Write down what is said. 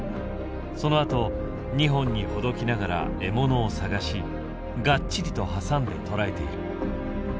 そのあと２本にほどきながら獲物を探しがっちりと挟んで捕らえている。